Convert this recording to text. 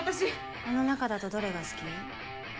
あの中だとどれが好き？